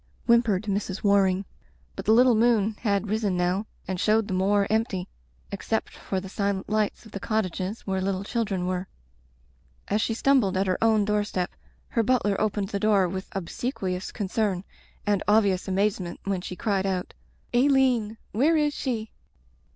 whimpered Mrs. War ing. But the little moon had risen now and showed the moor empty except for the silent lights of the cottages where little children were. As she stumbled at her own doorstep her butler opened the door with obsequious con cern, and obvious amazement when she cried out — ^"4^1een — ^where is she?"